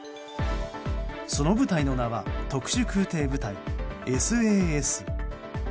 その部隊の名は特殊空挺部隊ＳＡＳ。